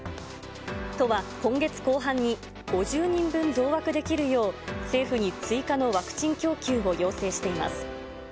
都は今月後半に、５０人分増枠できるよう、政府に追加のワクチン供給を要請しています。